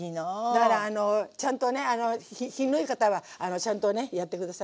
だからあのちゃんとね品のいい方はちゃんとねやって下さい。